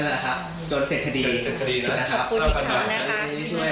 นั่นแหละล่ะครับจนเสร็จคดี